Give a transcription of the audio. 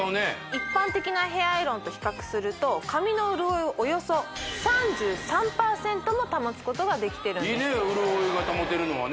一般的なヘアアイロンと比較すると髪の潤いをおよそ３３％も保つことができてるんですいいね